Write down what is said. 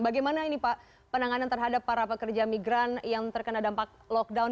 bagaimana ini pak penanganan terhadap para pekerja migran yang terkena dampak lockdown